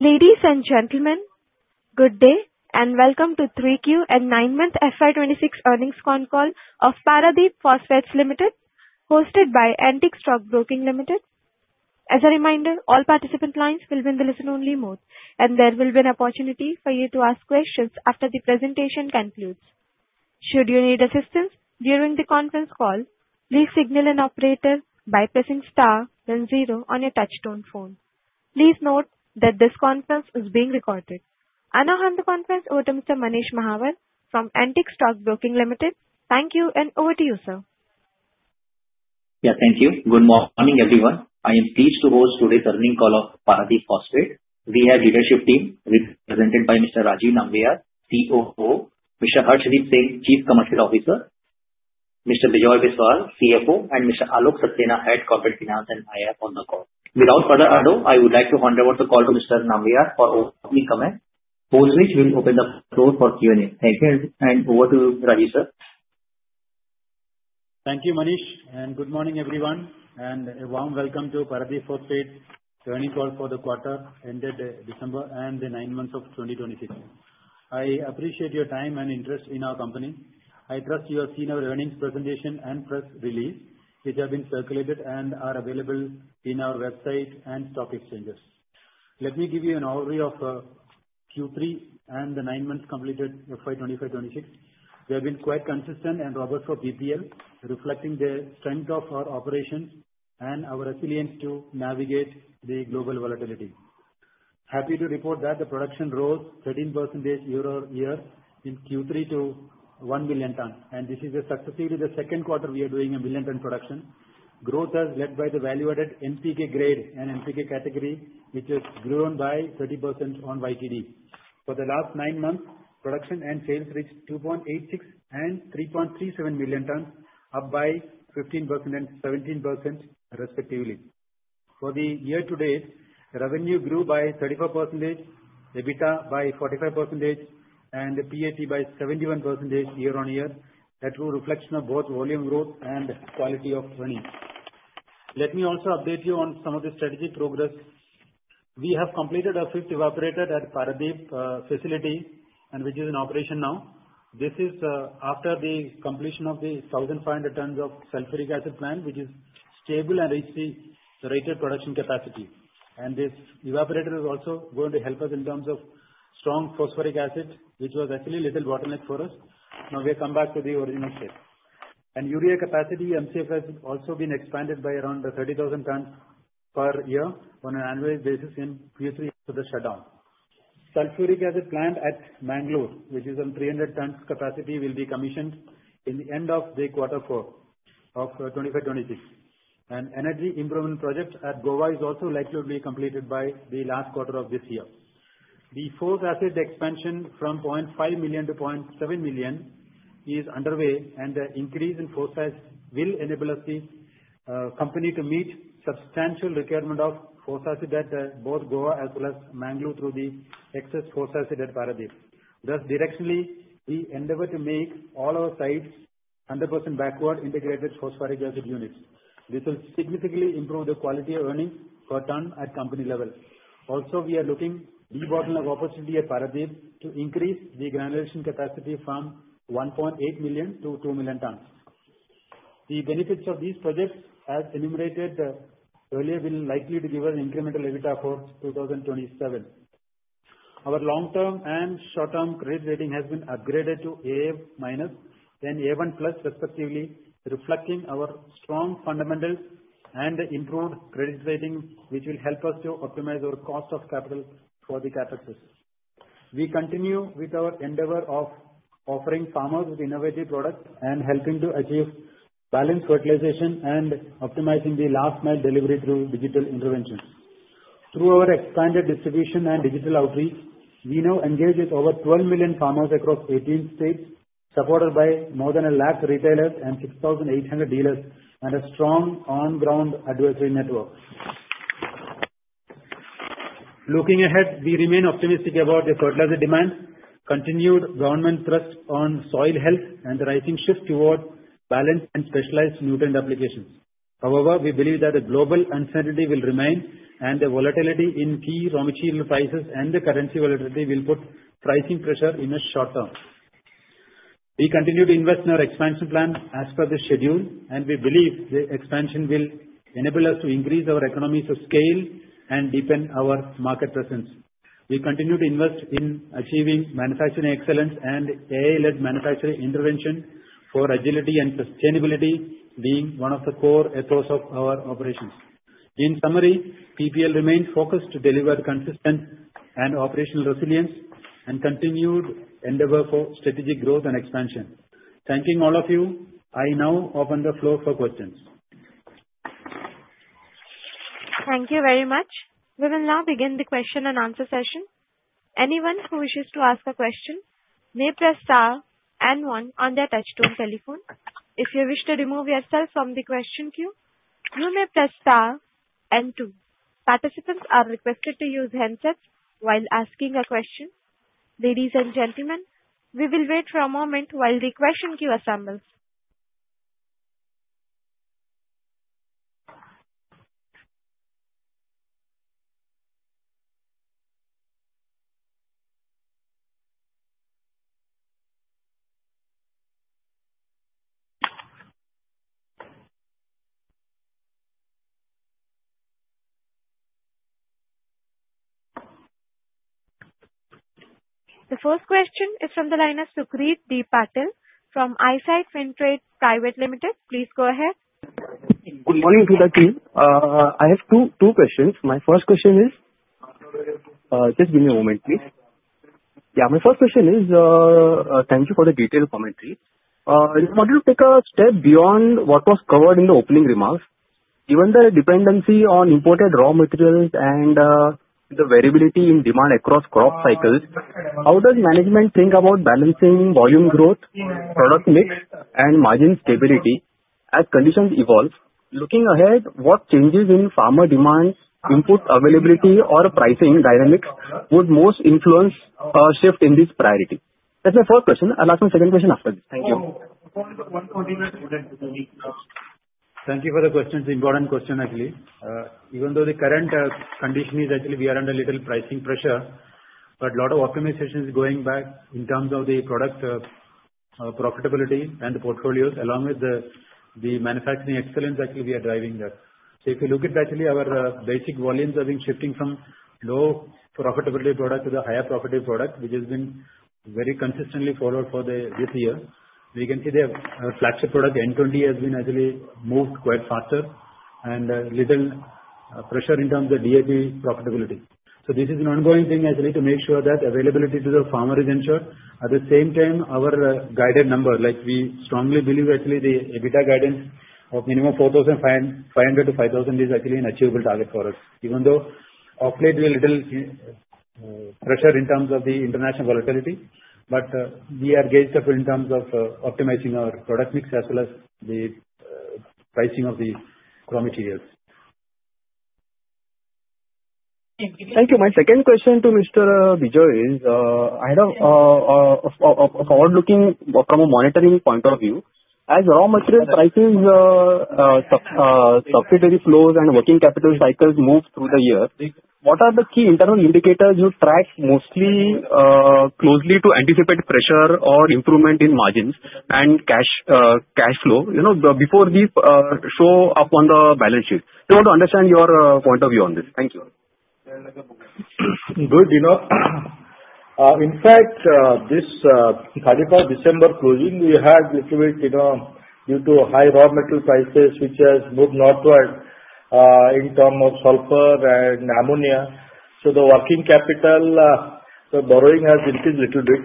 Ladies and gentlemen, good day, and welcome to 3Q and nine-month FY 2026 earnings conference call of Paradeep Phosphates Limited, hosted by Antique Stock Broking Limited. As a reminder, all participant lines will be in listen-only mode, and there will be an opportunity for you to ask questions after the presentation concludes. Should you need assistance during the conference call, please signal an operator by pressing star then zero on your touchtone phone. Please note that this conference is being recorded. I now hand the conference over to Mr. Manish Mahawar from Antique Stock Broking Limited. Thank you, and over to you, sir. Yeah, thank you. Good morning, everyone. I am pleased to host today's earnings call of Paradeep Phosphates. We have leadership team represented by Mr. Rajeev Nambiar, COO; Mr. Harshdeep Singh, Chief Commercial Officer; Mr. Bijoy Biswal, CFO; and Mr. Alok Saxena, Head Corporate Finance, and I are on the call. Without further ado, I would like to hand over the call to Mr. Nambiar for opening comments, after which we'll open the floor for Q&A. Thank you, and over to you, Rajeev, sir. Thank you, Manish, and good morning, everyone, and a warm welcome to Paradeep Phosphates earnings call for the quarter ended December and the nine months of 2026. I appreciate your time and interest in our company. I trust you have seen our earnings presentation and press release, which have been circulated and are available on our website and stock exchanges. Let me give you an overview of Q3 and the nine months completed FY 2025-2026. We have been quite consistent and robust for PPL, reflecting the strength of our operations and our resilience to navigate the global volatility. Happy to report that the production rose 13% year-over-year in Q3 to 1 million tons, and this is successively the second quarter we are doing a 1 million ton production. Growth was led by the value-added NPK grade and NPK category, which has grown by 30% on YTD. For the last nine months, production and sales reached 2.86 million tons and 3.37 million tons, up by 15% and 17% respectively. For the year-to-date, revenue grew by 34%, EBITDA by 45%, and the PAT by 71% year-on-year. That's a reflection of both volume growth and quality of earnings. Let me also update you on some of the strategic progress. We have completed a fifth evaporator at Paradeep facility and which is in operation now. This is after the completion of the 1,500 tons of sulfuric acid plant, which is stable and reached the rated production capacity. This evaporator is also going to help us in terms of strong phosphoric acid, which was actually a little bottleneck for us. Now we have come back to the original shape. Urea capacity, MCFL has also been expanded by around 30,000 tons per year on an annual basis in Q3 after the shutdown. Sulfuric acid plant at Mangalore, which is on 300 tons capacity, will be commissioned in the end of quarter four of 2025-2026. An energy improvement project at Goa is also likely to be completed by the last quarter of this year. The fourth acid expansion from 0.5 million to 0.7 million is underway, and the increase in phosphate will enable us, the company to meet substantial requirement of phosphate at both Goa as well as Mangalore through the excess phosphate at Paradeep. Thus, directionally, we endeavor to make all our sites 100% backward integrated phosphoric acid units. This will significantly improve the quality of earnings per ton at company level. Also, we are looking debottleneck opportunity at Paradeep to increase the granulation capacity from 1.8 million tons to 2 million tons. The benefits of these projects, as enumerated earlier, will likely to give an incremental EBITDA for 2027. Our long-term and short-term credit rating has been upgraded to AA-, then A1+, respectively, reflecting our strong fundamentals and improved credit rating, which will help us to optimize our cost of capital for the capex. We continue with our endeavor of offering farmers with innovative products and helping to achieve balanced fertilization and optimizing the last mile delivery through digital interventions. Through our expanded distribution and digital outreach, we now engage with over 12 million farmers across 18 states, supported by more than 3,000 retailers and 6,800 dealers and a strong on-ground advisory network. Looking ahead, we remain optimistic about the fertilizer demand, continued government thrust on soil health, and the rising shift towards balanced and specialized nutrient applications. However, we believe that the global uncertainty will remain, and the volatility in key raw material prices and the currency volatility will put pricing pressure in the short term. We continue to invest in our expansion plans as per the schedule, and we believe the expansion will enable us to increase our economies of scale and deepen our market presence. We continue to invest in achieving manufacturing excellence and AI-led manufacturing intervention for agility and sustainability, being one of the core ethos of our operations. In summary, PPL remains focused to deliver consistent and operational resilience, and continued endeavor for strategic growth and expansion. Thanking all of you, I now open the floor for questions. Thank you very much. We will now begin the question and answer session. Anyone who wishes to ask a question may press star and one on their touchtone telephone. If you wish to remove yourself from the question queue, you may press star and two. Participants are requested to use handsets while asking a question. Ladies and gentlemen, we will wait for a moment while the question queue assembles. The first question is from the line of Sucrit Patil from Eyesight Fintrade Private Limited. Please go ahead. Good morning to the team. I have two, two questions. My first question is, just give me a moment, please. Yeah. My first question is, thank you for the detailed commentary. I want you to take a step beyond what was covered in the opening remarks. Given the dependency on imported raw materials and, the variability in demand across crop cycles, how does management think about balancing volume growth, product mix, and margin stability as conditions evolve? Looking ahead, what changes in farmer demand, input availability or pricing dynamics would most influence a shift in this priority? That's my first question. I'll ask my second question after this. Thank you. Thank you for the question. It's important question, actually. Even though the current condition is actually we are under a little pricing pressure, but a lot of optimization is going back in terms of the product profitability and the portfolios along with the manufacturing excellence actually we are driving that. So if you look at actually, our basic volumes have been shifting from low profitability products to the higher profitability product, which has been very consistently followed for the this year. We can see the flagship product, N20, has been actually moved quite faster and little pressure in terms of DAP profitability. So this is an ongoing thing actually, to make sure that availability to the farmer is ensured. At the same time, our guided number, like we strongly believe actually the EBITDA guidance of minimum 4,500-5,000 is actually an achievable target for us, even though operate with little pressure in terms of the international volatility. But we are geared up in terms of optimizing our product mix as well as the pricing of the raw materials. Thank you. My second question to Mr. Bijoy is, I had a forward looking from a monitoring point of view. As raw material prices, subsidy flows and working capital cycles move through the year, what are the key internal indicators you track mostly closely to anticipate pressure or improvement in margins and cash cash flow, you know, before we show up on the balance sheet? We want to understand your point of view on this. Thank you. Good. You know, in fact, this 31st December closing, we had a little bit, you know, due to high raw material prices, which has moved northward, in terms of sulfur and ammonia. So the working capital, the borrowing has increased a little bit,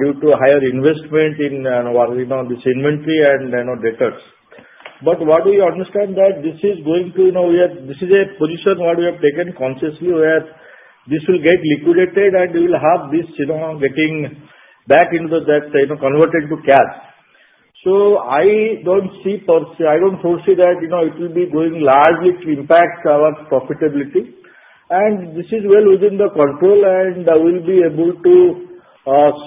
due to higher investment in, what we know, this inventory and, you know, debtors. But what we understand that this is going to, you know, we are. This is a position what we have taken consciously, where this will get liquidated and we will have this, you know, getting back into that, you know, converted to cash. So I don't see fore- I don't foresee that, you know, it will be going largely to impact our profitability. This is well within the control, and I will be able to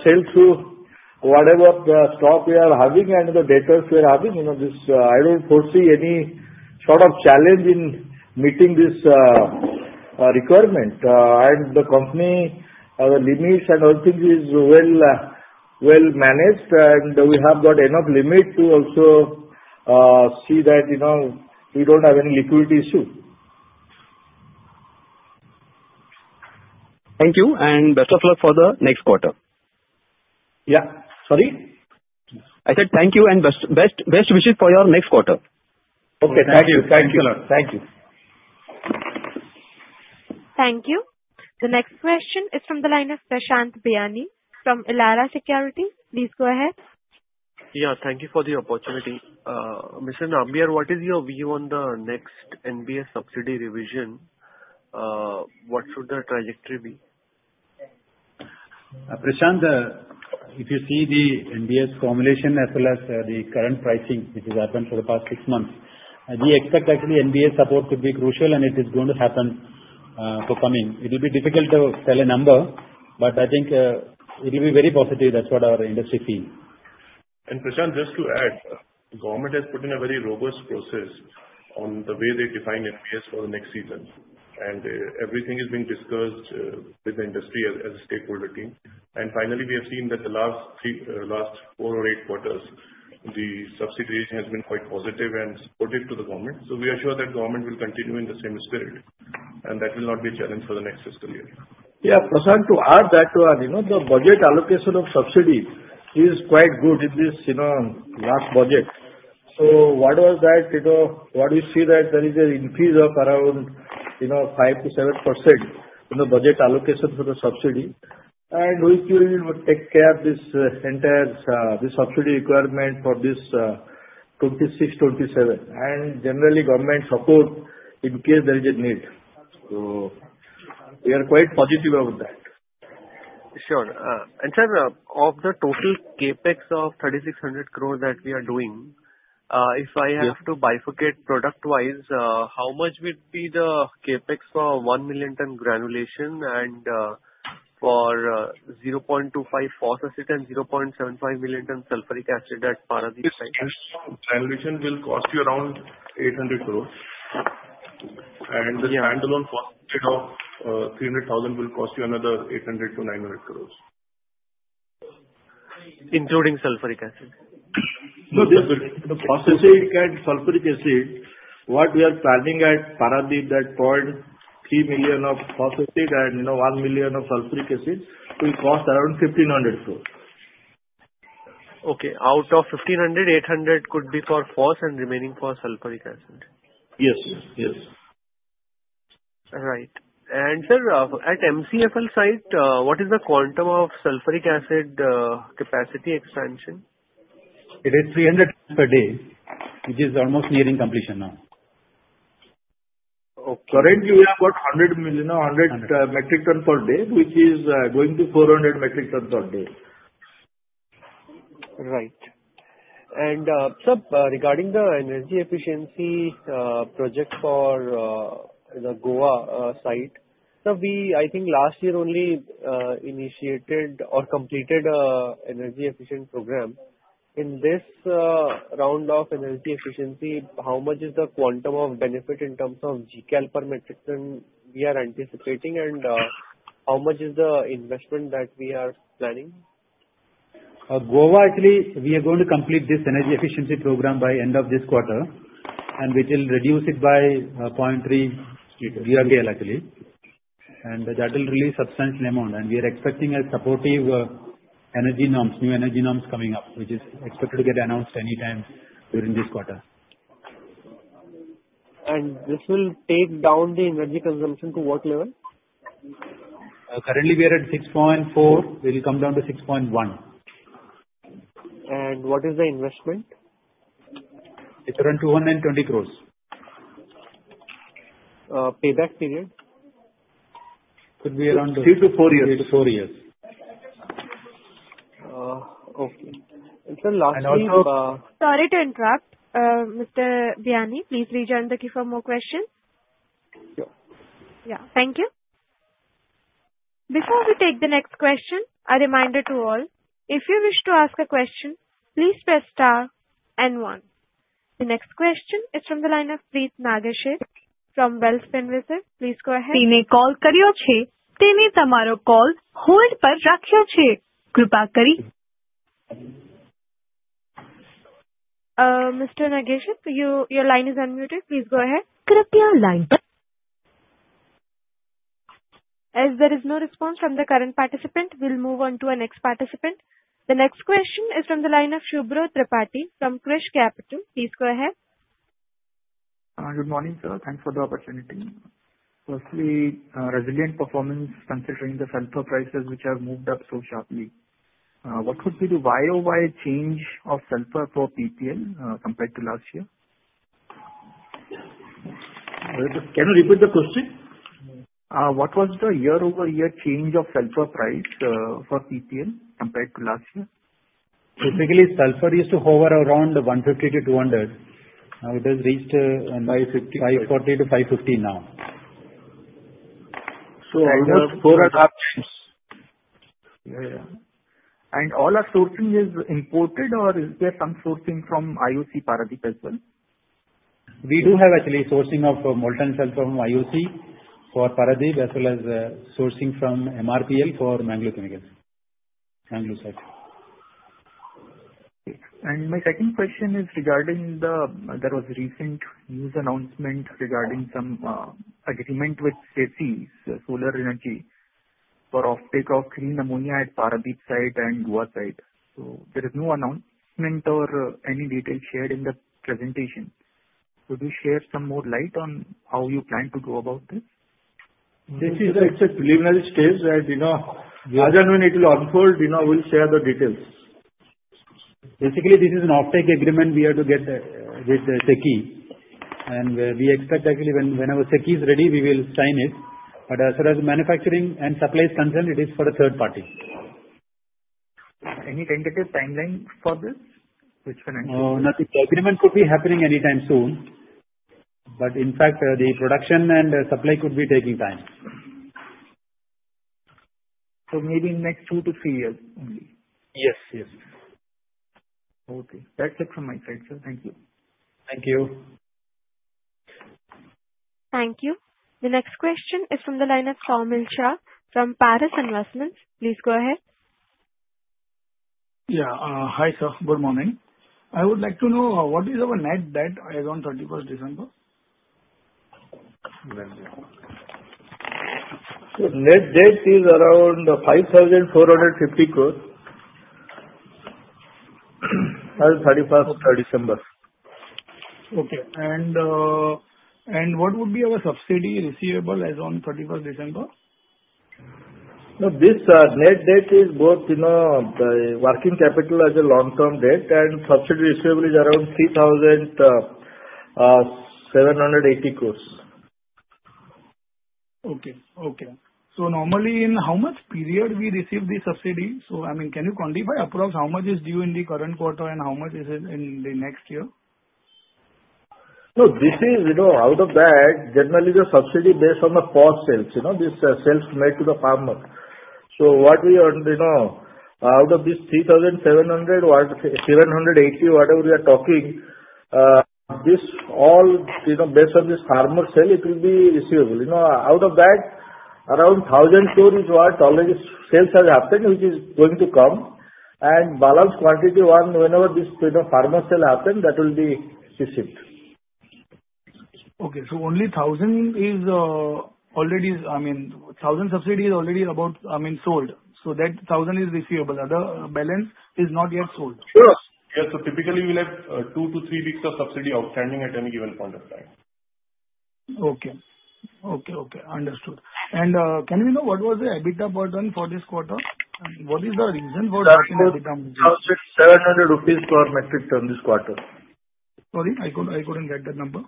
sell through whatever the stock we are having and the debtors we are having. You know, this, I don't foresee any sort of challenge in meeting this requirement, and the company, our limits and everything is well, well managed, and we have got enough limit to also see that, you know, we don't have any liquidity issue. Thank you, and best of luck for the next quarter. Yeah. Sorry? I said thank you and best, best, best wishes for your next quarter. Okay, thank you. Thank you. Thank you. Thank you. The next question is from the line of Prashant Biyani from Elara Securities. Please go ahead. Yeah, thank you for the opportunity. Mr. Nambiar, what is your view on the next NBS subsidy revision? What should the trajectory be? Prashant, if you see the NBS's formulation as well as the current pricing, which has happened for the past six months, we expect actually NBS support to be crucial, and it is going to happen for coming. It will be difficult to sell a number, but I think it will be very positive. That's what our industry feels. And, Prashant, just to add, the government has put in a very robust process on the way they define FPS for the next season. And, everything is being discussed with the industry as a stakeholder team. And finally, we have seen that the last three, last four or eight quarters, the subsidization has been quite positive and supportive to the government. So we are sure that government will continue in the same spirit, and that will not be a challenge for the next fiscal year. Yeah, Prashant, to add that one, you know, the budget allocation of subsidy is quite good in this, you know, last budget. So what was that? You know, what we see that there is an increase of around, you know, 5%-7% in the budget allocation for the subsidy, and which will take care of this entire the subsidy requirement for this 2026-2027, and generally government support in case there is a need. So we are quite positive about that. Sure. And, sir, of the total CapEx of 3,600 crore that we are doing, Yeah. If I have to bifurcate product-wise, how much would be the CapEx for 1 million ton granulation and for 0.25 phos acid and 0.75 million ton sulfuric acid at Paradeep site? Expansion will cost you around INR 800 crore. The standalone cost of 300,000 will cost you another 800 crore-900 crore. Including sulfuric acid? No, this phosphoric acid and sulfuric acid, what we are planning at Paradeep, that 0.3 million of phosphoric acid and, you know, 1 million of sulfuric acid, will cost around 1,500 crore. Okay. Out of 1,500 crore, 800 crore could be for phos and remaining for sulfuric acid. Yes, yes, yes. Right. And sir, at MCFL site, what is the quantum of sulfuric acid capacity expansion? It is 300 per day, which is almost nearing completion now. Okay. Currently, we have got 100 million, or 100, metric ton per day, which is going to 400 metric ton per day. Right. And, sir, regarding the energy efficiency project for the Goa site. So we, I think last year only initiated or completed energy efficient program. In this round of energy efficiency, how much is the quantum of benefit in terms of Gcal per metric ton we are anticipating? And how much is the investment that we are planning? Goa, actually, we are going to complete this energy efficiency program by end of this quarter, and which will reduce it by 0.3 Gcal actually, and that will release substantial amount. And we are expecting a supportive new energy norms coming up, which is expected to get announced any time during this quarter. This will take down the energy consumption to what level? Currently we are at 6.4. We'll come down to 6.1. What is the investment? It's around INR 220 crore. Payback period? Could be around- 3-4 years. 3-4 years. Okay. And sir, lastly, Sorry to interrupt, Mr. Biyani. Please rejoin the queue for more questions. Sure. Yeah. Thank you. Before we take the next question, a reminder to all: If you wish to ask a question, please press star and one. The next question is from the line of Preet Nagarsheth from Wealth Finvisor. Please go ahead. Mr. Nagesh, you, your line is unmuted. Please go ahead. Krupia line. As there is no response from the current participant, we'll move on to our next participant. The next question is from the line of Subhro Tripathi from Krush Capital. Please go ahead. Good morning, sir. Thanks for the opportunity. Firstly, resilient performance considering the sulfur prices which have moved up so sharply. What would be the YoY change of sulfur for PPL, compared to last year? Can you repeat the question? What was the year-over-year change of sulfur price for PPL compared to last year? Typically, sulfur used to hover around $150-$200. It has reached, 550. 540-550 now. So for the last- Yeah. And all our sourcing is imported, or is there some sourcing from IOC Paradeep as well? We do have actually sourcing of molten sulfur from IOC for Paradeep, as well as sourcing from MRPL for Mangalore Chemicals, Mangalore site. My second question is regarding the. There was recent news announcement regarding some agreement with SECI, solar energy, for offtake of green ammonia at Paradeep site and Goa site. So there is no announcement or any detail shared in the presentation. Could you share some more light on how you plan to go about this? This is at the preliminary stage, and, you know, as and when it will unfold, you know, we'll share the details. Basically, this is an offtake agreement we have to get with SECI. And we expect actually when, whenever SECI is ready, we will sign it. But as far as manufacturing and supply is concerned, it is for a third party. Any tentative timeline for this, which we're expecting? Nothing. Agreement could be happening anytime soon, but in fact, the production and supply could be taking time. Maybe next 2-3 years, only? Yes, yes. Okay. That's it from my side, sir. Thank you. Thank you. Thank you. The next question is from the line of Soumil Shah from Paras Investments. Please go ahead. Yeah. Hi, sir. Good morning. I would like to know what is our net debt as on 31st December? Net debt is around 5,450 crore as at 31st December. Okay. And what would be our subsidy receivable as on 31st December? No, this net debt is both, you know, the working capital as a long-term debt and subsidy receivable is around 3,780 crore. Okay, okay. So normally, in how much period do we receive the subsidy? So I mean, can you quantify approx how much is due in the current quarter, and how much is it in the next year? No, this is, you know, out of that, generally the subsidy based on the core sales, you know, this, sales made to the farmer. So what we want, you know, out of this 3,700, what, 780, whatever we are talking, this all, you know, based on this farmer sale, it will be receivable. You know, out of that, around 1,000 crore is what already sales has happened, which is going to come, and balance quantity one, whenever this kind of farmer sale happen, that will be received. Okay. So only 1,000 is already, I mean, 1,000 subsidy is already about, I mean, sold, so that 1,000 is receivable. Other balance is not yet sold? Yes. Yes, so typically we'll have two to three weeks of subsidy outstanding at any given point of time. Okay. Okay, okay, understood. And, can we know what was the EBITDA per ton for this quarter? And what is the reason for- INR 4,700 per metric ton this quarter. Sorry, I couldn't get the number.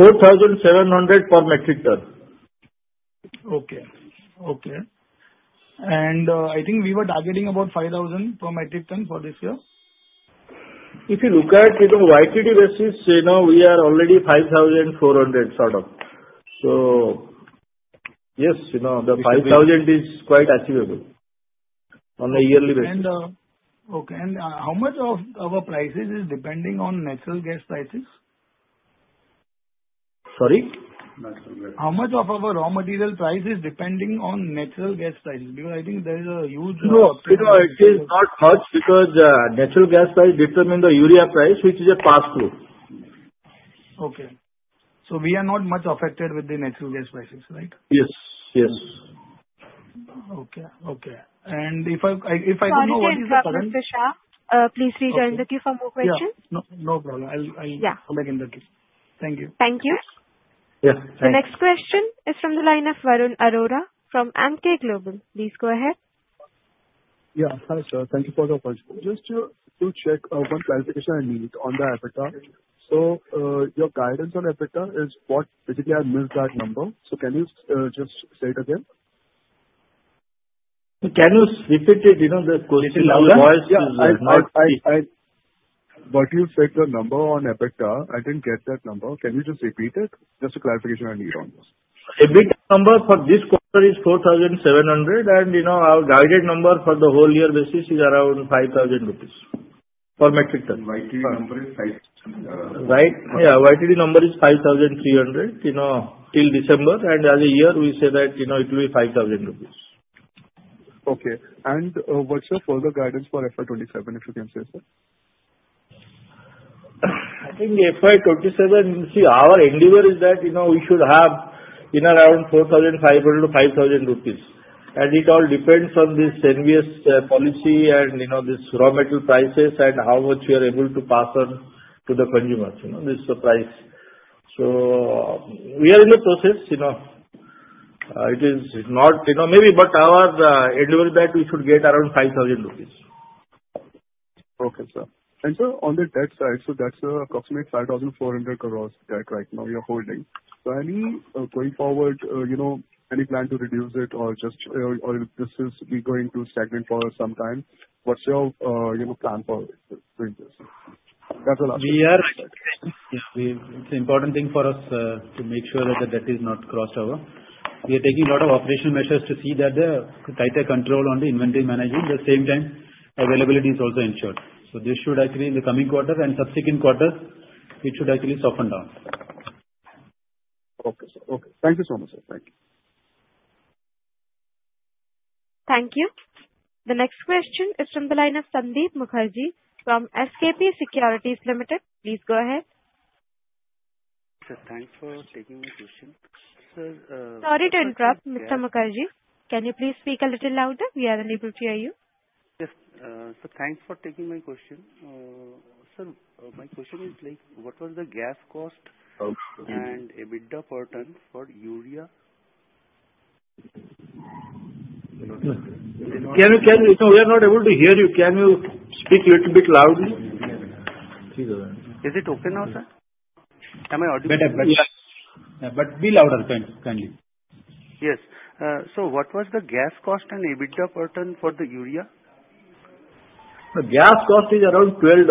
INR 4,700 per metric ton. Okay. Okay. And, I think we were targeting about 5,000 per metric ton for this year. If you look at it on YTD basis, you know, we are already 5,400 sort of. So yes, you know, the 5,000 is quite achievable on a yearly basis. Okay, and how much of our prices is depending on natural gas prices? Sorry? How much of our raw material price is depending on natural gas prices? Because I think there is a huge- No, you know, it is not much because natural gas price determine the urea price, which is a pass-through. Okay. We are not much affected with the natural gas prices, right? Yes. Yes. Okay, okay. And if I- Sorry to interrupt, Mr. Shah. Please rejoin the queue for more questions. Yeah. No, no problem. I'll... Yeah. Come back in the queue. Thank you. Thank you. Yes, thank you. The next question is from the line of Varun Arora from Emkay Global. Please go ahead. Yeah. Hi, sir. Thank you for the opportunity. Just to check, one clarification I need on the EBITDA. So, your guidance on EBITDA is what? Basically I missed that number. So can you just say it again? Can you repeat it? You know, the question, our voice is not clear. Yeah, what you said the number on EBITDA, I didn't get that number. Can you just repeat it? Just a clarification I need on this. EBITDA number for this quarter is 4,700, and you know, our guided number for the whole year basis is around 5,000 rupees per metric ton. YTD number is five Right. Yeah, YTD number is 5,300, you know, till December, and as a year, we say that, you know, it will be 5,000 rupees. Okay. And, what's your further guidance for FY 2027, if you can say, sir? I think FY 2027, see, our endeavor is that, you know, we should have in around 4,500-5,000 rupees, and it all depends on the subsidy policy and, you know, this raw material prices and how much we are able to pass on to the consumers, you know, this is the price. So we are in the process, you know. It is not, you know, maybe but our endeavor that we should get around 5,000 rupees. Okay, sir. Sir, on the debt side, so that's approximately 5,400 crore debt right now you're holding. So any going forward, you know, any plan to reduce it or just or is this going to be stagnant for some time? What's your you know plan for this? That's the last one. It's important thing for us to make sure that the debt is not crossed over. We are taking a lot of operational measures to see that the tighter control on the inventory management, the same time, availability is also ensured. So this should actually in the coming quarter and subsequent quarters, it should actually soften down. Okay, sir. Okay. Thank you so much, sir. Thank you. Thank you. The next question is from the line of Sandeep Mukherjee from SKP Securities Limited. Please go ahead. Sir, thanks for taking my question. Sir, Sorry to interrupt, Mr. Mukherjee. Can you please speak a little louder? We are unable to hear you. Yes. So thanks for taking my question. Sir, my question is like, what was the gas cost? Okay. and EBITDA per ton for urea? Can you? We are not able to hear you. Can you speak little bit loudly? Is it okay now, sir? Am I audible? Better, but, but be louder, kind, kindly. Yes. So what was the gas cost and EBITDA per ton for the urea? The gas cost is around $12,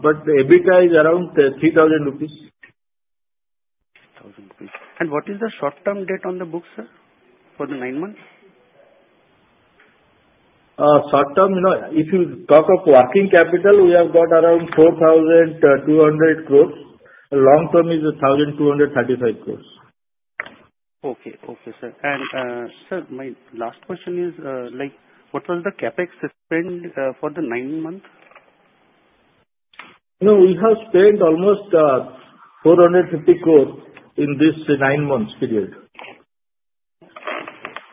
but the EBITDA is around 3,000. Thousand rupees. What is the short-term debt on the books, sir, for the nine months? Short term, you know, if you talk of working capital, we have got around 4,200 crore. The long term is 1,235 crore. Okay. Okay, sir. Sir, my last question is, like, what was the CapEx spend for the nine months? You know, we have spent almost 450 crore in this nine months period.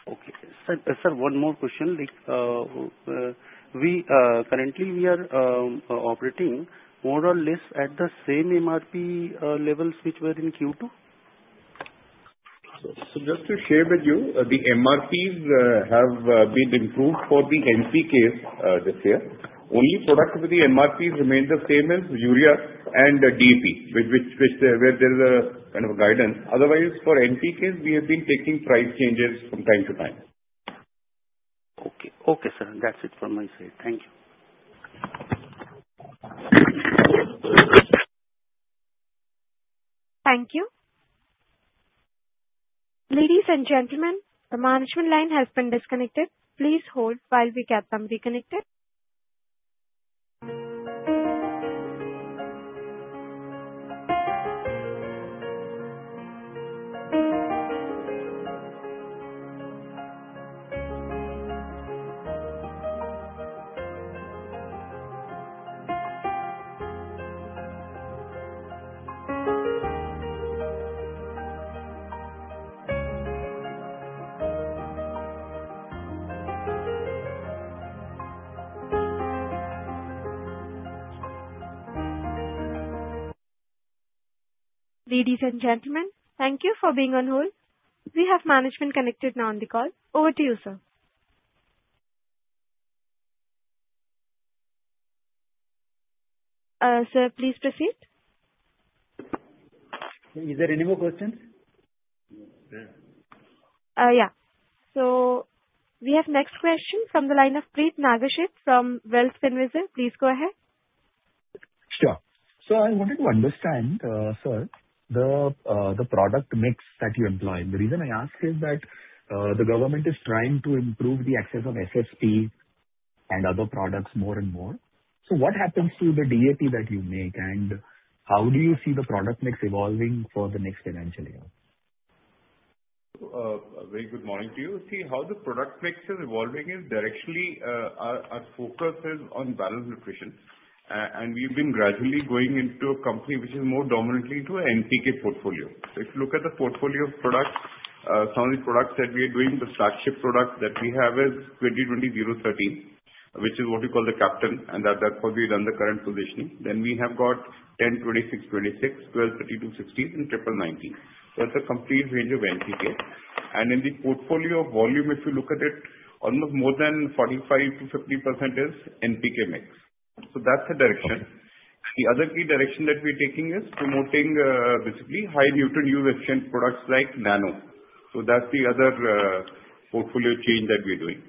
Okay. Sir, sir, one more question. Like, we currently are operating more or less at the same MRP levels which were in Q2? So just to share with you, the MRPs have been improved for the NPK this year. Only product with the MRPs remained the same as urea and the DAP, which where there is a kind of a guidance. Otherwise, for NPK, we have been taking price changes from time to time. Okay, sir, that's it from my side. Thank you. Thank you. Ladies and gentlemen, the management line has been disconnected. Please hold while we get them reconnected. Ladies and gentlemen, thank you for being on hold. We have management connected now on the call. Over to you, sir. Sir, please proceed. Is there any more questions? Yeah. So we have next question from the line of Preet Nagarsheth from Wealth Finvisor. Please go ahead. Sure. So I wanted to understand, sir, the product mix that you employ. The reason I ask is that, the government is trying to improve the access of SSP and other products more and more. So what happens to the DAP that you make, and how do you see the product mix evolving for the next financial year? A very good morning to you. See, how the product mix is evolving is directionally, our focus is on balanced nutrition. And we've been gradually going into a company which is more dominantly to NPK portfolio. If you look at the portfolio of products, some of the products that we are doing, the flagship product that we have is 20:20:0:13, which is what we call the captain, and that, that's what we run the current positioning. Then we have got 10:26:26, 12:32:16, and Triple Nineteen. That's a complete range of NPK. And in the portfolio volume, if you look at it, almost more than 45%-50% is NPK mix. So that's the direction. The other key direction that we're taking is promoting, basically, high nutrient use efficient products like Nano. That's the other portfolio change that we're doing.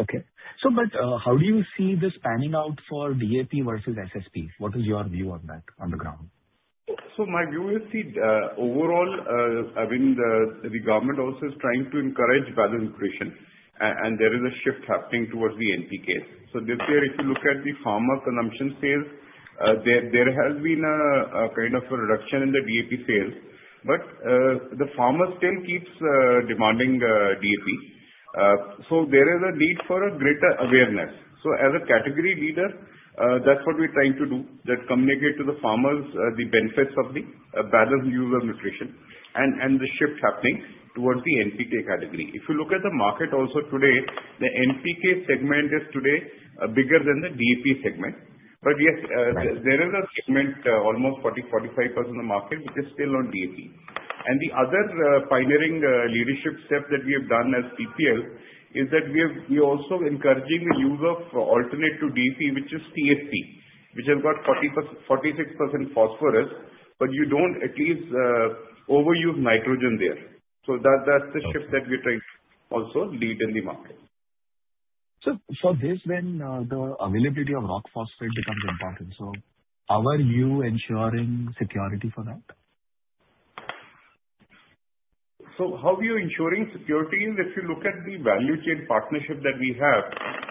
Okay. So but, how do you see this panning out for DAP versus SSP? What is your view on that on the ground? So my view is the overall, I mean, the government also is trying to encourage value nutrition, and there is a shift happening towards the NPK. So this year, if you look at the farmer consumption sales, there has been a kind of a reduction in the DAP sales. But the farmer still keeps demanding DAP. So there is a need for a greater awareness. So as a category leader, that's what we're trying to do, that communicate to the farmers the benefits of the balanced use of nutrition and the shift happening towards the NPK category. If you look at the market also today, the NPK segment is today bigger than the DAP segment. But, yes, Right. There is a segment, almost 40%-45% of the market, which is still on DAP. And the other, pioneering, leadership step that we have done as PPL, is that we have, we're also encouraging the use of alternative to DAP, which is TSP, which has got 40%-46% phosphorus, but you don't at least, overuse nitrogen there. So that, that's the shift- Okay. that we're trying to also lead in the market. So for this, then, the availability of rock phosphate becomes important. So how are you ensuring security for that? So how we are ensuring security is, if you look at the value chain partnership that we have,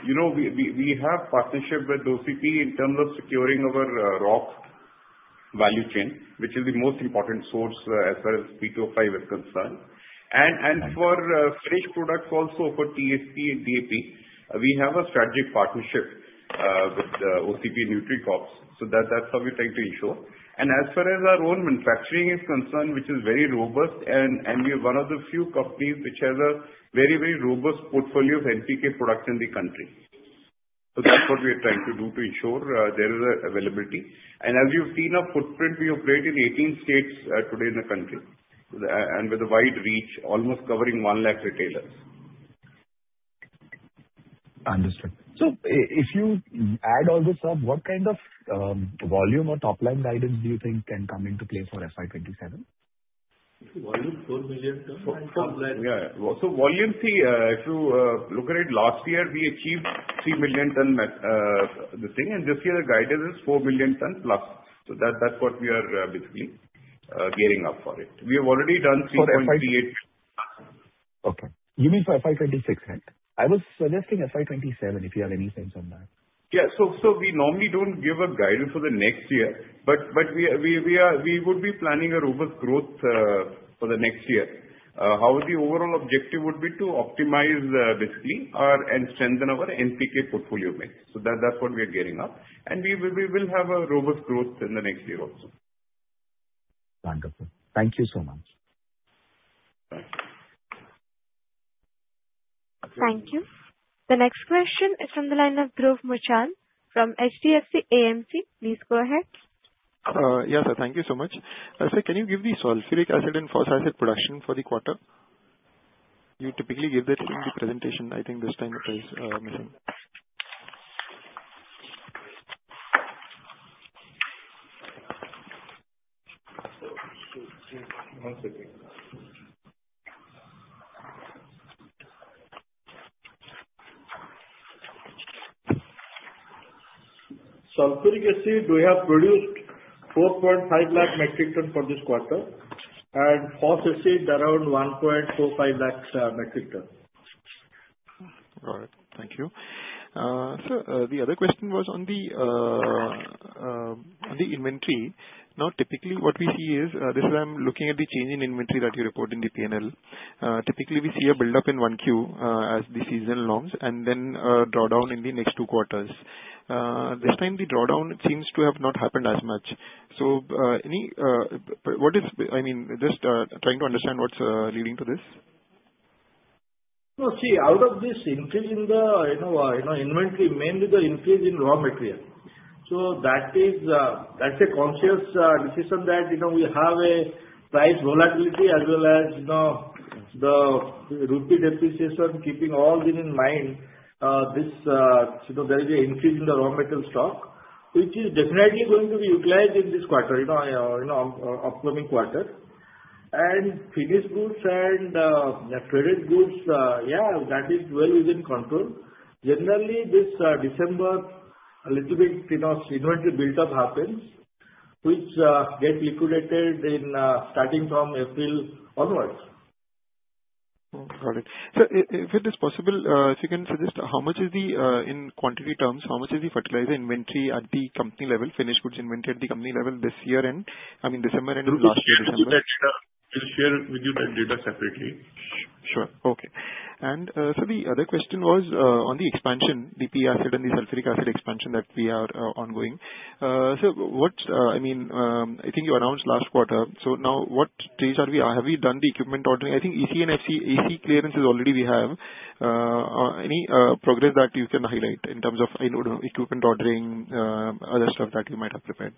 you know, we have partnership with OCP in terms of securing our rock value chain, which is the most important source, as far as P2O5 is concerned. Right. For fresh products also for TSP and DAP, we have a strategic partnership with OCP Nutricrops. So that's how we're trying to ensure. And as far as our own manufacturing is concerned, which is very robust, and we are one of the few companies which have a very, very robust portfolio of NPK products in the country. So that's what we are trying to do to ensure there is availability. And as you've seen our footprint, we operate in 18 states today in the country with a wide reach, almost covering 100,000 retailers. Understood. So if you add all this up, what kind of volume or top-line guidance do you think can come into play for FY 2027? Volume, 4 million tons. For, yeah. So volume, see, if you look at it, last year we achieved 3 million tonne, this thing, and this year the guidance is 4 million tonnes plus. So that, that's what we are basically gearing up for it. We have already done 3.8- Okay, you mean for FY 2026? I was suggesting FY 2027, if you have any sense on that. Yeah. So we normally don't give a guidance for the next year, but we would be planning a robust growth for the next year. Our overall objective would be to optimize basically our and strengthen our NPK portfolio mix. So that's what we are gearing up. And we will have a robust growth in the next year also. Wonderful. Thank you so much. Thank you. Thank you. The next question is from the line of Dhruv Muchhal from HDFC AMC. Please go ahead. Yes, sir. Thank you so much. Sir, can you give the sulfuric acid and phosphoric acid production for the quarter? You typically give that in the presentation. I think this time it is missing. One second. Sulfuric acid, we have produced 4.5 lakh metric ton for this quarter, and around 1.45 lakhs, metric ton. All right. Thank you. So, the other question was on the inventory. Now, typically, what we see is, I'm looking at the change in inventory that you report in the PNL. Typically, we see a buildup in 1Q, as the season along and then, drawdown in the next two quarters. This time the drawdown seems to have not happened as much. So, any particular, I mean, just trying to understand what's leading to this? No, see, out of this increase in the, you know, you know, inventory, mainly the increase in raw material. So that is, that's a conscious, decision that, you know, we have a price volatility as well as, you know, the rupee depreciation. Keeping all these in mind, this, so there is a increase in the raw material stock, which is definitely going to be utilized in this quarter, you know, in all upcoming quarter. And finished goods and, the credit goods, yeah, that is well within control. Generally, this, December, a little bit, you know, inventory buildup happens, which, get liquidated in, starting from April onwards. Okay, got it. So if it is possible, if you can suggest how much is the, in quantity terms, how much is the fertilizer inventory at the company level, finished goods inventory at the company level this year end, I mean, December end of last year? We'll share with you that data separately. Sure. Okay. So the other question was on the expansion, the P acid and the sulfuric acid expansion that we are ongoing. So what, I mean, I think you announced last quarter, so now what stage are we? Have we done the equipment ordering? I think EC and SC, EC clearance is already we have. Any progress that you can highlight in terms of, you know, equipment ordering, other stuff that you might have prepared?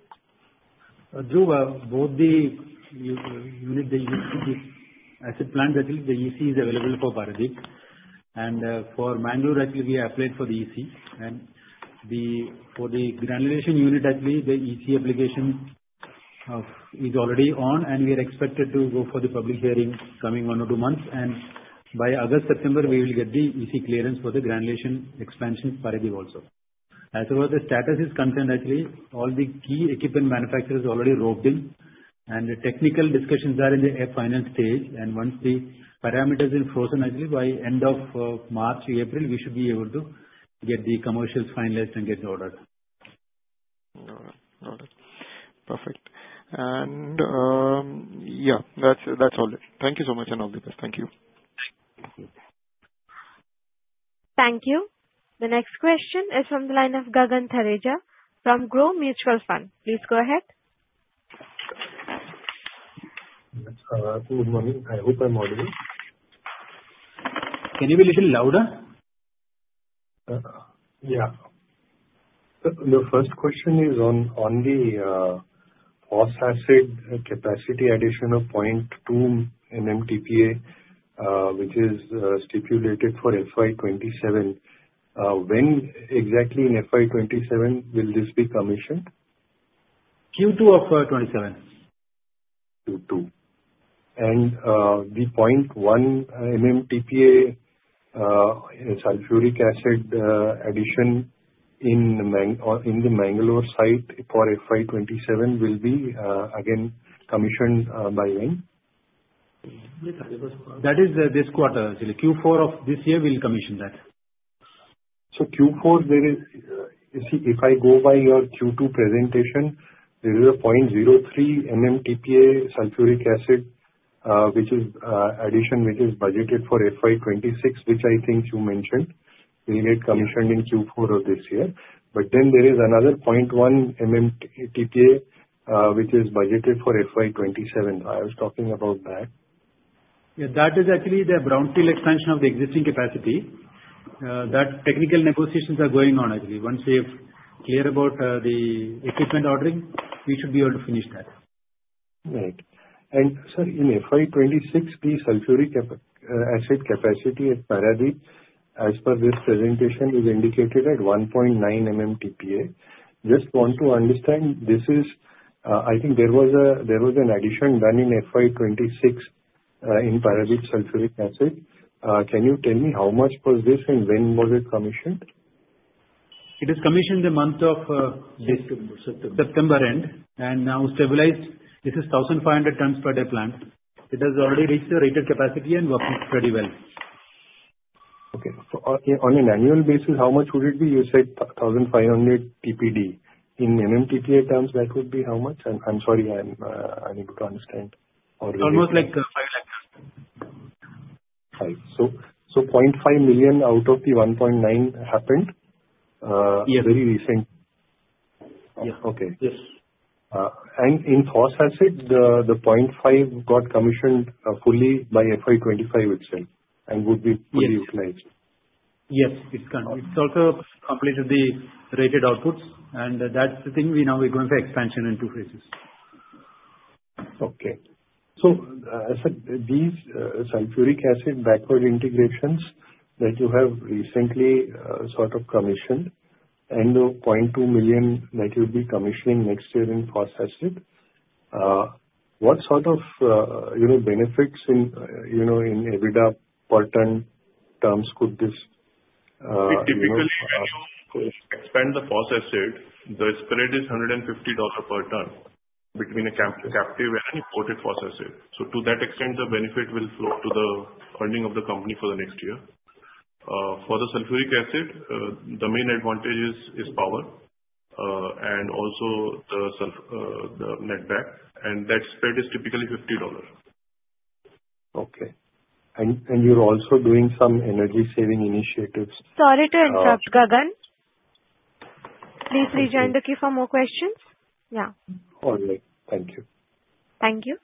Through both the unit, the acid plant, actually, the EC is available for Paradeep. And, for Mangalore, actually, we applied for the EC. And the, for the granulation unit, actually, the EC application is already on, and we are expected to go for the public hearing coming one or two months. And by August, September, we will get the EC clearance for the granulation expansion Paradeep also. As well as the status is concerned, actually, all the key equipment manufacturers already roped in, and the technical discussions are in the final stage. And once the parameters been frozen, actually, by end of, March, April, we should be able to get the commercials finalized and get the order. Got it. Perfect. And, yeah, that's, that's all. Thank you so much, and all the best. Thank you. Thank you. The next question is from the line of Gagan Thareja from Groww Mutual Fund. Please go ahead. Good morning. I hope I'm audible. Can you be little louder? Yeah. So the first question is on the phos acid capacity addition of 0.2 MMTPA, which is stipulated for FY 2027. When exactly in FY 2027 will this be commissioned? Q2 of 2027. Q2. The 0.1 MMTPA sulfuric acid addition in the Mangalore site for FY 2027 will be again commissioned by when? That is, this quarter. So the Q4 of this year, we'll commission that. So Q4 there is. You see, if I go by your Q2 presentation, there is a 0.03 MMTPA sulfuric acid, which is addition, which is budgeted for FY 2026, which I think you mentioned will get commissioned in Q4 of this year. But then there is another 0.1 MMTPA, which is budgeted for FY 2027. I was talking about that. Yeah, that is actually the brownfield expansion of the existing capacity. That technical negotiations are going on, actually. Once we are clear about the equipment ordering, we should be able to finish that. Right. And sir, in FY 2026, the sulfuric acid capacity at Paradeep, as per this presentation, is indicated at 1.9 MMTPA. Just want to understand, this is, I think there was an addition done in FY 2026, in Paradeep sulfuric acid. Can you tell me how much was this and when was it commissioned? It is commissioned in the month of December. September. September end, and now stabilized. This is 1,500 tons per day plant. It has already reached the rated capacity and working pretty well. Okay. So on an annual basis, how much would it be? You said 1,500 TPD. In MMTPA terms, that would be how much? I'm sorry, I need to understand. Almost like, 5 lakh tons. 5. So 0.5 million out of the 1.9 happened- Yes. very recent? Yeah. Okay. Yes. And in phos acid, the 0.5 got commissioned fully by FY 2025 itself, and would be- Yes. fully utilized. Yes, it can. It's also completed the rated outputs, and that's the thing, we now are going for expansion in two phases. Okay. So, these sulfuric acid backward integrations that you have recently sort of commissioned and the 0.2 million that you'll be commissioning next year in phosphoric acid. What sort of, you know, benefits in, you know, in EBITDA per ton terms could this... Typically, expand the phosphoric acid, the spread is $150 per ton between captive and imported phosphoric acid. So to that extent, the benefit will flow to the earnings of the company for the next year. For the sulfuric acid, the main advantage is power, and also the sulfur, the net back, and that spread is typically $50. Okay. And you're also doing some energy saving initiatives? Sorry to interrupt, Gagan. Uh. Please rejoin the queue for more questions. Yeah. All right. Thank you. Thank you.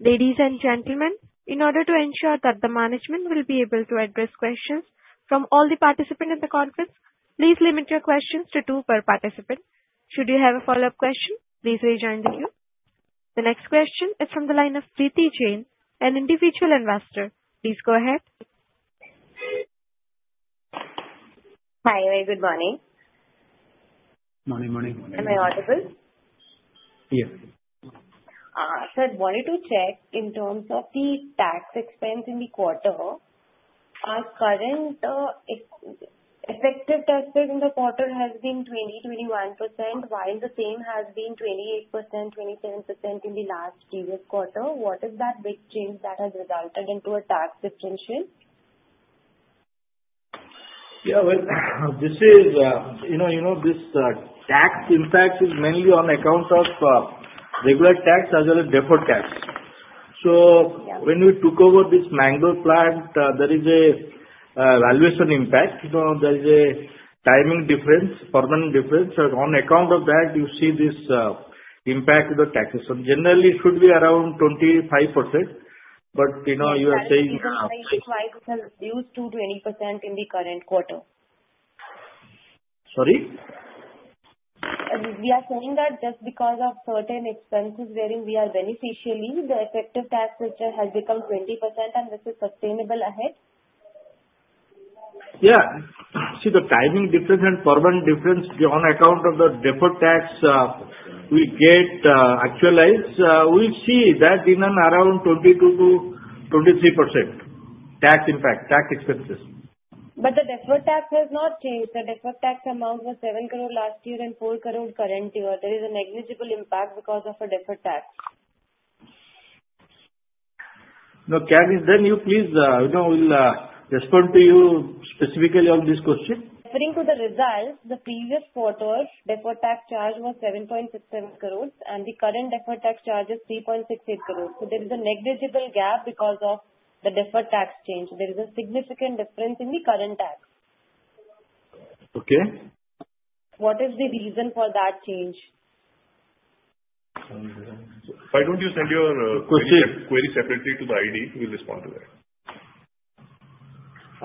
Ladies and gentlemen, in order to ensure that the management will be able to address questions from all the participants in the conference, please limit your questions to two per participant. Should you have a follow-up question, please rejoin the queue. The next question is from the line of Priti Jain, an individual investor. Please go ahead. Hi, everyone. Good morning. Morning, morning, morning. Am I audible? Yes. I wanted to check in terms of the tax expense in the quarter. Our current effective tax rate in the quarter has been 21%, while the same has been 28%, 27% in the last previous quarter. What is that big change that has resulted into a tax distinction? Yeah, well, this is, you know, you know, this tax impact is mainly on account of regular tax as well as deferred tax. Yeah. So when we took over this Mangalore plant, there is a valuation impact. So there is a timing difference, permanent difference, and on account of that, you see this impact the taxation. Generally, it should be around 25%, but you know, you are saying, Yes, used to 20% in the current quarter. Sorry? We are saying that just because of certain expenses wherein we are beneficially, the effective tax, which has become 20% and this is sustainable ahead? Yeah. See, the timing difference and permanent difference on account of the deferred tax, we get actualized. We see that in and around 22%-23%, tax impact, tax expenses. But the deferred tax has not changed. The deferred tax amount was 7 crore last year and 4 crore current year. There is a negligible impact because of a deferred tax. No. Can you please? You know, we'll respond to you specifically on this question. According to the results, the previous quarter, deferred tax charge was 7.67 crores, and the current deferred tax charge is 3.68 crores. So there is a negligible gap because of the deferred tax charge. There is a significant difference in the current tax. Okay. What is the reason for that change? Why don't you send your query separately to the IR? We'll respond to that.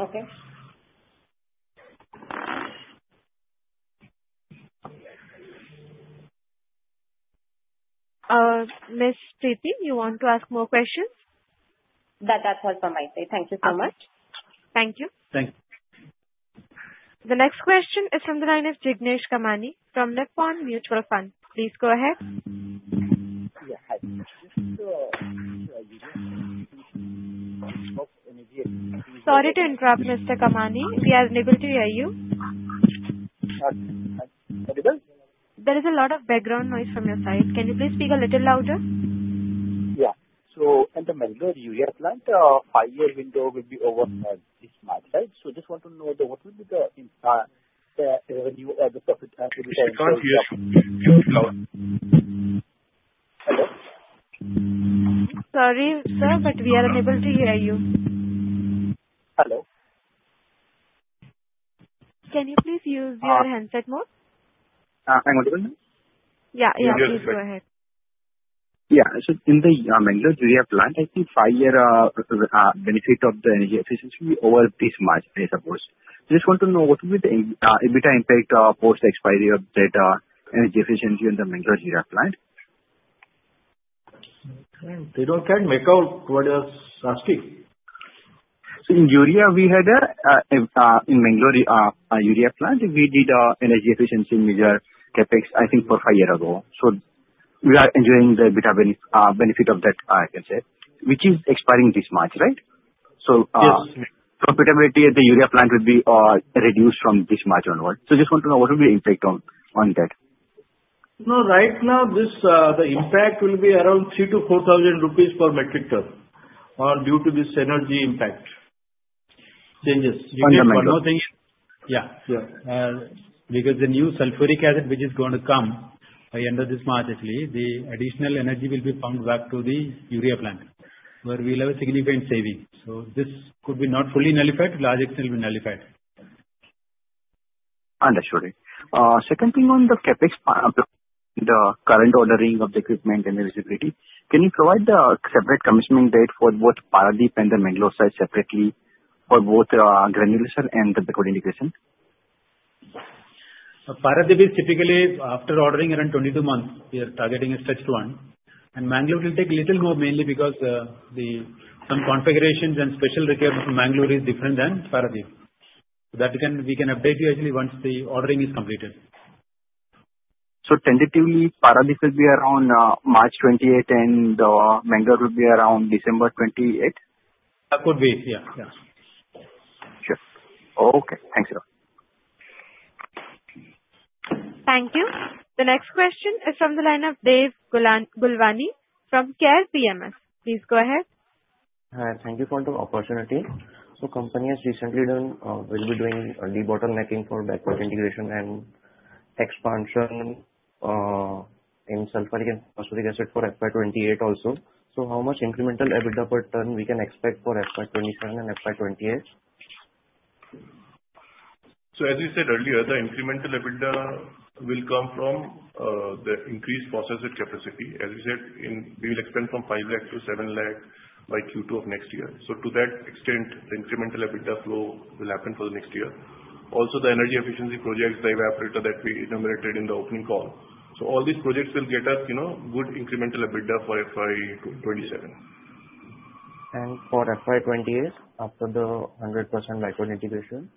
Okay. Miss Priti, you want to ask more questions? That, that's all from my side. Thank you so much. Thank you. Thank you. The next question is from the line of Jignesh Kamani from Nippon Mutual Fund. Please go ahead. Yeah, hi. So Sorry to interrupt, Mr. Kamani, we are unable to hear you. Uh, audible? There is a lot of background noise from your side. Can you please speak a little louder? Yeah. So in the Mangalore urea plant, five-year window will be over this March, right? So just want to know what will be the impact, the revenue at the? We can't hear you. Please louder. Sorry, sir, but we are unable to hear you. Hello? Can you please use your handset mode? Am I audible? Yeah, yeah. Please go ahead. Yeah. So in the Mangalore urea plant, I think five-year benefit of the energy efficiency over this March, right, of course. Just want to know, what will be the EBITDA impact post expiry of that energy efficiency in the Mangalore urea plant? They can't make out what you're asking. So in urea, we had in Mangalore urea plant, we did a energy efficiency measure CapEx, I think for five year ago. So we are enjoying the EBITDA benefit of that, I can say, which is expiring this March, right? Yes. So, profitability at the urea plant will be reduced from this March onward. So just want to know, what will be the impact on that? No, right now, this, the impact will be around 3,000-4,000 rupees per metric ton, due to this energy impact. Changes. Understood. One other. Yeah. Yeah. Because the new sulfuric acid, which is going to come by end of this March, actually, the additional energy will be pumped back to the urea plant, where we'll have a significant saving. So this could be not fully nullified, largely it will be nullified. Understood. Second thing on the CapEx, the current ordering of the equipment and the visibility. Can you provide the separate commissioning date for both Paradeep and the Mangalore site separately for both granulation and the coating integration? Paradeep is typically after ordering around 22 months. We are targeting a such one and Mangalore will take a little more, mainly because some configurations and special requirements from Mangalore is different than Paradeep. That we can, we can update you actually once the ordering is completed. So tentatively, Paradeep will be around March 2028, and Mangalore will be around December 2028? That could be, yeah, yeah. Sure. Okay, thanks a lot. Thank you. The next question is from the line of Dev Gulwani from Care PMS. Please go ahead. Hi, thank you for the opportunity. So company has recently done, will be doing a debottlenecking for backward integration and expansion, in sulfur and phosphoric acid for FY 2028 also. So how much incremental EBITDA per ton we can expect for FY 2027 and FY 2028? As we said earlier, the incremental EBITDA will come from the increased processed capacity. As we said, we will expand from 5 lakh to 7 lakh by Q2 of next year. To that extent, the incremental EBITDA flow will happen for the next year. Also, the energy efficiency projects, the evaporator that we enumerated in the opening call. All these projects will get us, you know, good incremental EBITDA for FY 2027. For FY 2028, after the 100% backward integration?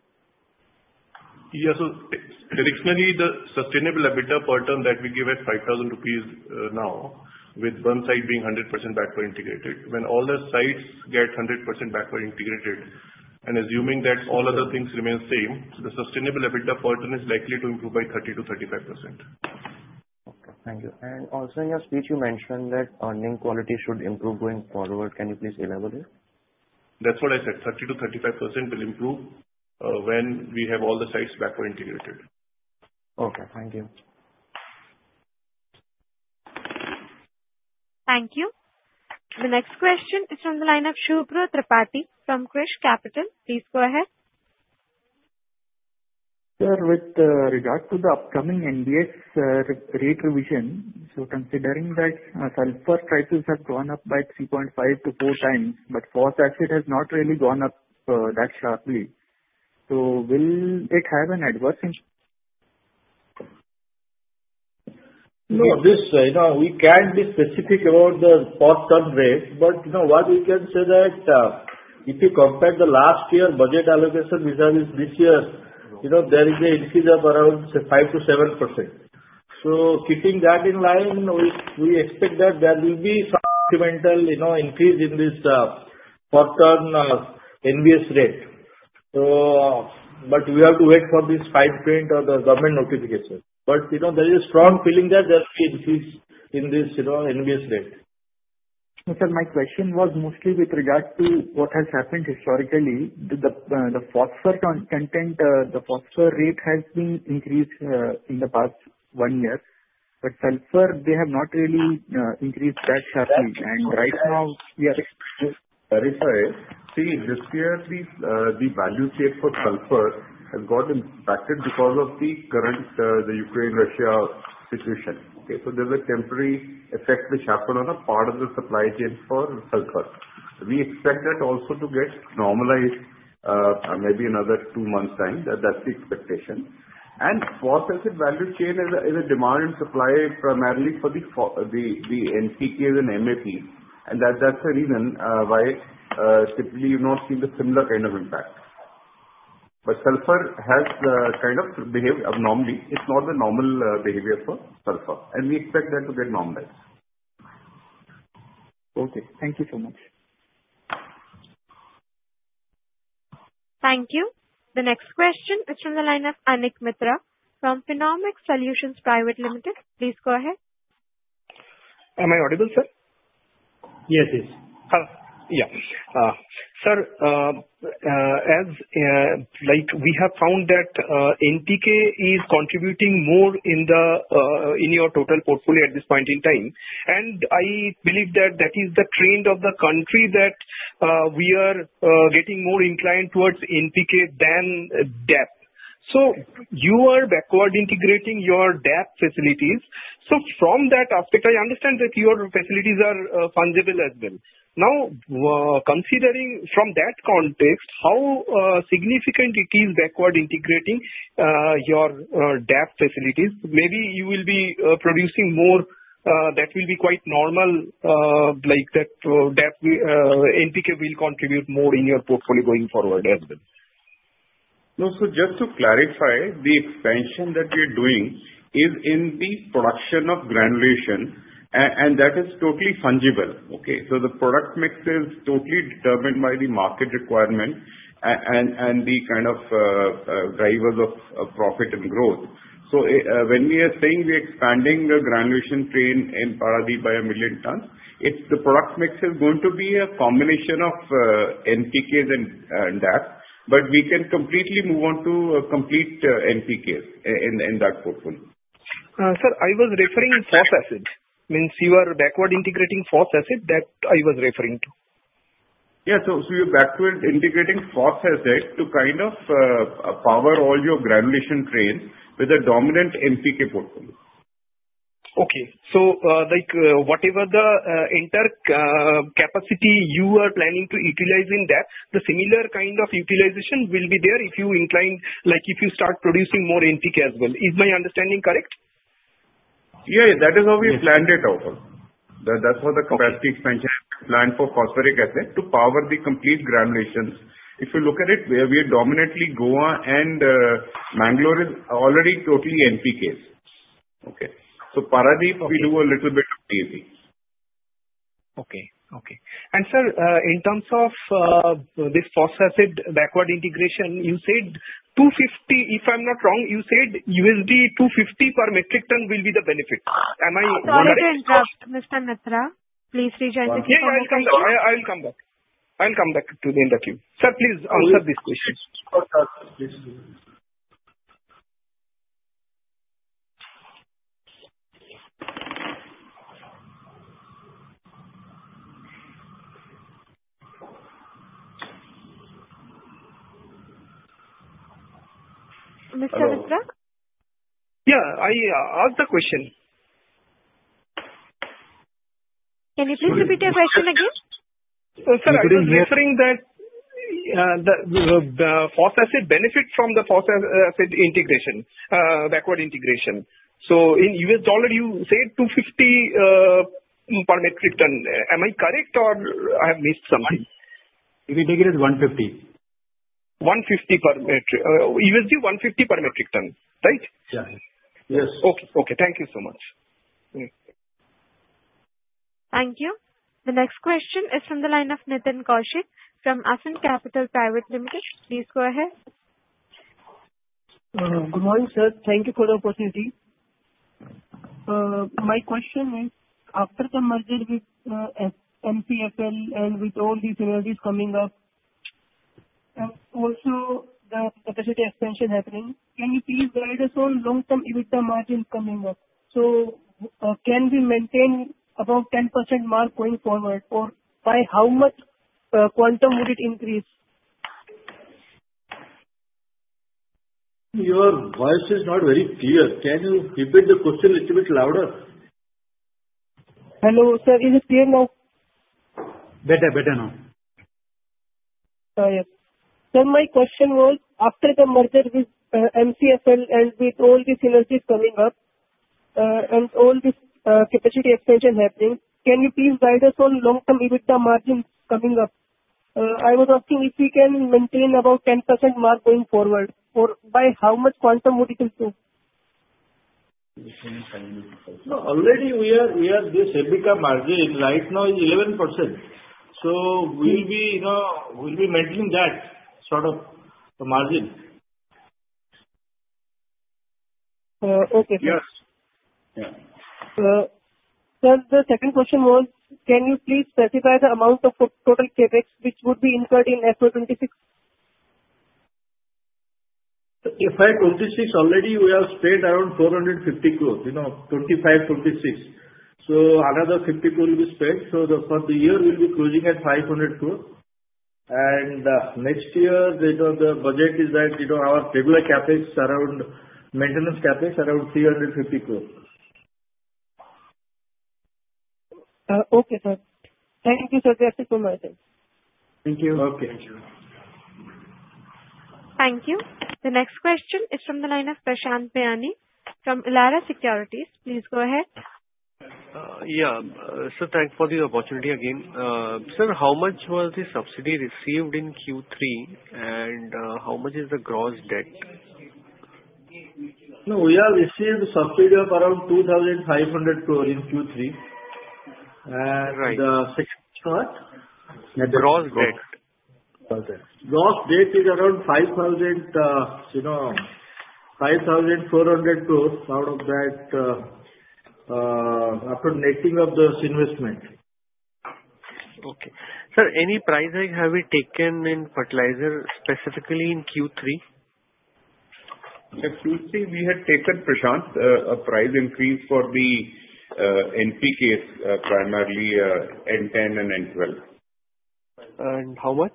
Yeah, so traditionally, the sustainable EBITDA per ton that we give is 5,000 rupees. Now, with one side being 100% backward integrated. When all the sites get 100% backward integrated, and assuming that all other things remain same, the sustainable EBITDA per ton is likely to improve by 30%-35%. Okay, thank you. And also in your speech, you mentioned that earnings quality should improve going forward. Can you please elaborate? That's what I said, 30%-35% will improve when we have all the sites backward integrated. Okay, thank you. Thank you. The next question is from the line of Shubro Tripathi from Krush Capital. Please go ahead. Sir, with regard to the upcoming NBS rate revision, so considering that sulfur prices have gone up by 3.5x-4x, but phosphoric acid has not really gone up that sharply. So will it have an adverse impact? No, this, you know, we can't be specific about the phosphate rate. But you know what? We can say that, if you compare the last year budget allocation vis-a-vis this year, you know, there is a increase of around say 5%-7%. So keeping that in mind, we, we expect that there will be some incremental, you know, increase in this, phosphate, NBS rate. But we have to wait for this fine print or the government notification. But, you know, there is a strong feeling that there's increase in this, you know, NBS rate. Sir, my question was mostly with regard to what has happened historically. The phosphorus content, the phosphorus rate has been increased in the past one year, but sulfur, they have not really increased that sharply. And right now, we are expecting- Sorry, sorry. See, this year the value chain for sulfur has gotten impacted because of the current Ukraine-Russia situation. Okay, so there's a temporary effect which happened on a part of the supply chain for sulfur. We expect that also to get normalized, maybe another two months' time, that's the expectation. And phosphoric acid value chain is a demand and supply primarily for the NPKs and MAP. And that's the reason why simply you've not seen the similar kind of impact. But sulfur has kind of behaved abnormally. It's not the normal behavior for sulfur, and we expect that to get normalized. Okay, thank you so much. Thank you. The next question is from the line of Anik Mitra from Finnomics Solutions Private Limited. Please go ahead. Am I audible, sir? Yes, please. Yeah. Sir, as like we have found that NPK is contributing more in the in your total portfolio at this point in time. And I believe that that is the trend of the country, that we are getting more inclined towards NPK than DAP. So you are backward integrating your DAP facilities. So from that aspect, I understand that your facilities are fungible as well. Now, considering from that context, how significant it is backward integrating your DAP facilities? Maybe you will be producing more, that will be quite normal, like that, DAP, NPK will contribute more in your portfolio going forward as well. No, so just to clarify, the expansion that we're doing is in the production of granulation, and that is totally fungible. Okay? So the product mix is totally determined by the market requirement and, and the kind of, drivers of profit and growth. So, when we are saying we are expanding the granulation plant in Paradeep by 1 million tons, it's, the product mix is going to be a combination of, NPKs and, DAP. But we can completely move on to, complete, NPKs in, in that portfolio. Sir, I was referring phosphoric acid. Means you are backward integrating phosphoric acid, that I was referring to. Yeah. So, you're backward integrating phosphoric acid to kind of, power all your granulation plants with a dominant NPK portfolio. Okay. So, like, whatever the entire capacity you are planning to utilize in that, the similar kind of utilization will be there if you incline. Like, if you start producing more NPK as well. Is my understanding correct? Yeah, yeah, that is how we have planned it out. That, that's what the capacity expansion plan for phosphoric acid, to power the complete granulations. If you look at it, we are dominantly Goa and Bengaluru is already totally NPK's. Okay? So Paradeep, we do a little bit of DAP. Okay. Okay. And sir, in terms of this phosphoric backward integration, you said $250, if I'm not wrong, you said $250 per metric ton will be the benefit. Am I correct? The audience just, Mr. Mitra, please rejoin us if you- Yeah, I'll come back. I, I'll come back. I'll come back to the interview. Sir, please answer this question. Of course, please. Mr. Mitra? Yeah, I asked the question. Can you please repeat your question again? Sir, I was referring that the phosphoric benefit from the phosphoric acid integration, backward integration. So in US dollar, you said $250 per metric ton. Am I correct or I have missed something? We figured $150. $150 per metric, $150 per metric ton, right? Yeah. Yes. Okay, okay. Thank you so much. Thank you. The next question is from the line of Nitin Kaushik, from Afin Capital Private Limited. Please go ahead. Good morning, sir. Thank you for the opportunity. My question is, after the merger with MCFL and with all these synergies coming up, also the capacity expansion happening, can you please guide us on long-term EBITDA margins coming up? So, can we maintain above 10% mark going forward, or by how much quantum would it increase? Your voice is not very clear. Can you repeat the question a little bit louder? Hello, sir. Is it clear now? Better, better now. Oh, yes. Sir, my question was, after the merger with, MCFL and with all the synergies coming up, and all this, capacity expansion happening, can you please guide us on long-term EBITDA margins coming up? I was asking if you can maintain about 10% mark going forward, or by how much quantum would it improve? No, already we are. This EBITDA margin right now is 11%. So we'll be, you know, we'll be maintaining that sort of margin. Uh, okay. Yes. Yeah. Sir, the second question was: Can you please specify the amount of total CapEx which would be incurred in FY 2026? FY 2026, already we have spent around 450 crore, you know, 2025, 2026. So another 50 crore will be spent, so the first year we'll be closing at 500 crore. And next year, the, you know, the budget is that, you know, our regular CapEx around maintenance CapEx, around INR 350 crore. Okay, sir. Thank you, sir. Thank you so much. Thank you. Thank you. The next question is from the line of Prashant Biyani from Elara Securities. Please go ahead. Yeah. So thanks for the opportunity again. Sir, how much was the subsidy received in Q3, and how much is the gross debt? No, we have received subsidy of around 2,500 crore in Q3. Right. The second part? The gross debt. Okay. Gross debt is around 5,000 crore, you know, 5,400 crore out of that, after netting of this investment. Okay. Sir, any pricing have you taken in fertilizer, specifically in Q3? In Q3, we had taken, Prashant, a price increase for the NPK, primarily N-10 and N-12. How much?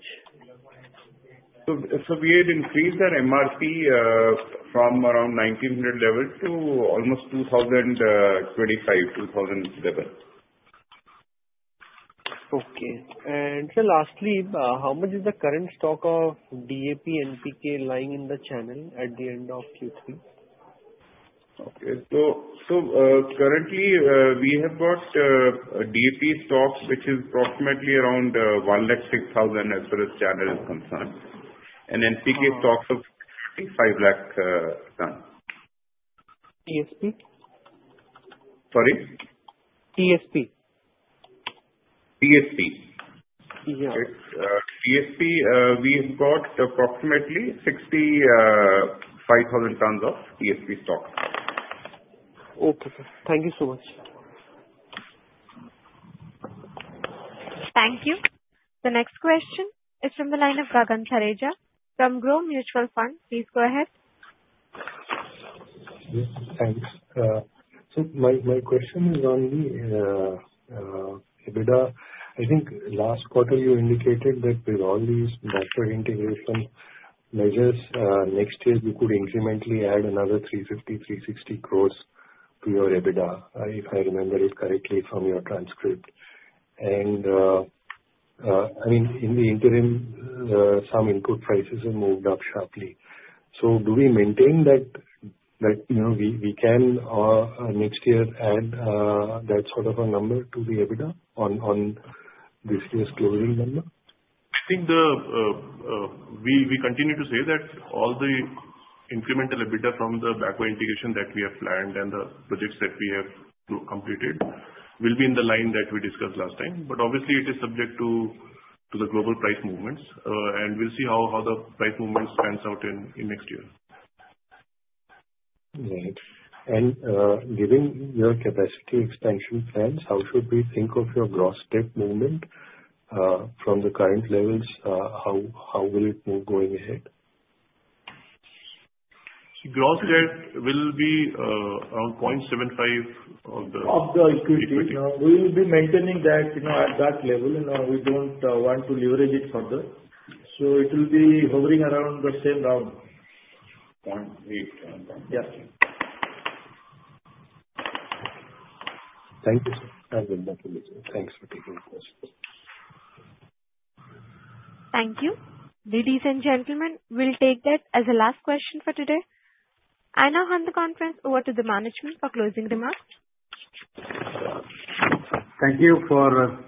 We had increased our MRP from around 1,900 level to almost 2,025 level. Okay. And sir, lastly, how much is the current stock of DAP NPK lying in the channel at the end of Q3? Okay. So, currently, we have got DAP stocks, which is approximately around 106,000, as far as channel is concerned, and NPK stocks of 500,000 tons. TSP? Sorry? TSP. TSP. Yeah. It's TSP, we have got approximately 65,000 tons of TSP stock. Okay, sir. Thank you so much. Thank you. The next question is from the line of Gagan Thareja from Groww Mutual Fund. Please go ahead. Yes, thanks. So my, my question is on the EBITDA. I think last quarter you indicated that with all these backward integration measures, next year we could incrementally add another 350 crore-360 crore to your EBITDA, if I remember it correctly from your transcript. I mean, in the interim, some input prices have moved up sharply. So do we maintain that, that, you know, we, we can, next year add, that sort of a number to the EBITDA on, on this year's global number? I think we continue to say that all the incremental EBITDA from the backward integration that we have planned and the projects that we have completed will be in the line that we discussed last time. But obviously it is subject to the global price movements. And we'll see how the price movements pans out in next year. Right. And, given your capacity expansion plans, how should we think of your gross debt movement, from the current levels, how will it move going ahead? Gross debt will be around 0.75 of the- Of the equity. We will be maintaining that, you know, at that level, and, we don't want to leverage it further. So it will be hovering around the same round. 0.8. Yeah. Thank you, sir. I'll now listen. Thanks for taking the questions. Thank you. Ladies and gentlemen, we'll take that as the last question for today. I now hand the conference over to the management for closing remarks. Thank you for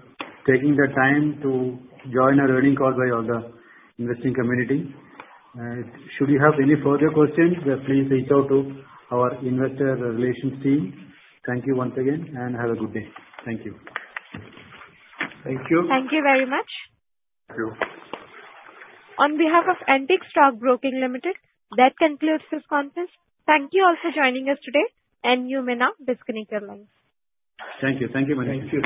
taking the time to join our earnings call by all the investing community. Should you have any further questions, please reach out to our investor relations team. Thank you once again, and have a good day. Thank you. Thank you. Thank you very much. Thank you. On behalf of Antique Stock Broking Limited, that concludes this conference. Thank you all for joining us today, and you may now disconnect your lines. Thank you. Thank you very much. Thank you.